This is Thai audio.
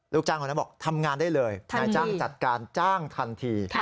ลูกจ้างคนนั้นบอกทำงานได้เลยนายจ้างจัดการจ้างทันที